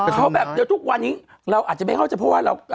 เขาแบบเดี๋ยวทุกวันนี้เราอาจจะไม่เข้าใจเพราะว่าเรา